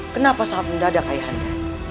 kenapa saat mendadak ayahanda